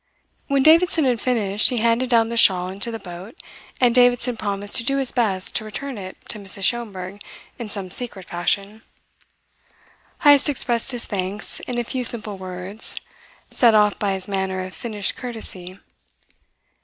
When Davidson had finished he handed down the shawl into the boat, and Davidson promised to do his best to return it to Mrs. Schomberg in some secret fashion. Heyst expressed his thanks in a few simple words, set off by his manner of finished courtesy.